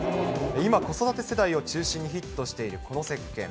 今、子育て世代を中心にヒットしているこのせっけん。